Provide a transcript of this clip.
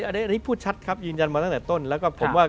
อยู่ครับอันนี้พูดชัดจริงมาตั้งแต่ต้นนะครับ